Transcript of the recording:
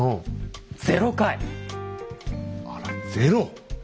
あらゼロ！